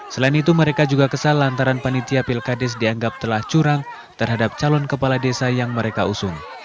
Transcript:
selain itu mereka juga kesal lantaran panitia pilkades dianggap telah curang terhadap calon kepala desa yang mereka usung